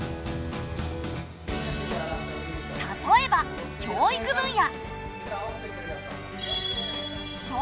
例えば教育分野。